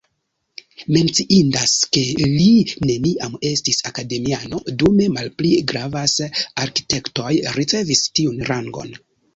Menciindas, ke li neniam estis akademiano, dume malpli gravas arkitektoj ricevis tiun rangon.